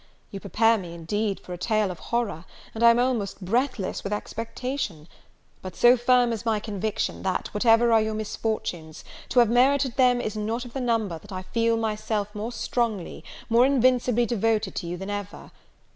You prepare me, indeed, for a tale of horror, and I am almost breathless with expectation; but so firm is my conviction, that, whatever are your misfortunes, to have merited them is not of the number, that I feel myself more strongly, more invincibly devoted to you than ever!